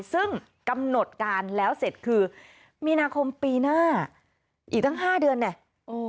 ซึ่งกำหนดการแล้วเสร็จคือมีนาคมปีหน้าอีกตั้ง๕เดือนเนี่ย